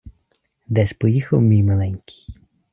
Десь поїхав мій миленький